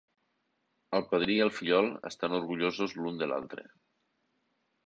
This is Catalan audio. El padrí i el fillol estan orgullosos l"un de l"altre.